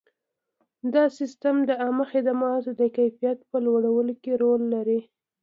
دا سیستم د عامه خدماتو د کیفیت په لوړولو کې رول لري.